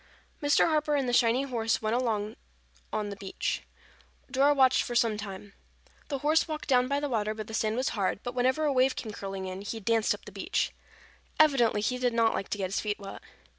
Mr. Harper and the shiny horse went on along the beach. Dora watched for some time. The horse walked down by the water where the sand was hard, but whenever a wave came curling in, he danced up the beach. Evidently he did not like to get his feet wet.